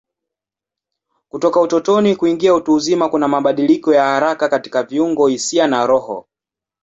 Kutoka utotoni kuingia utu uzima kuna mabadiliko ya haraka katika viungo, hisia na roho.